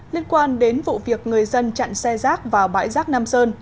liên quan đến vụ việc người dân chặn xe rác vào bãi rác nam sơn